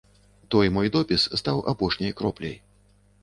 Той мой допіс стаў апошняй кропляй.